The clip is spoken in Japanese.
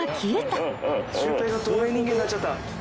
シュウペイが透明人間になっちゃった。